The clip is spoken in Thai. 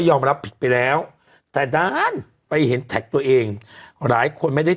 ยอมรับผิดไปแล้วแต่ด้านไปเห็นแท็กตัวเองหลายคนไม่ได้